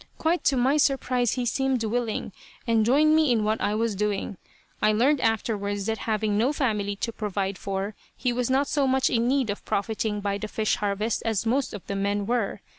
Quite to my surprise he seemed willing, and joined me in what I was doing. I learned afterwards that having no family to provide for he was not so much in need of profiting by the fish harvest as most of the men were.